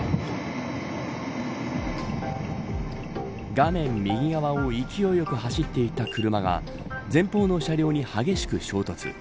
画面右側を勢いよく走っていた車が前方の車両に激しく衝突。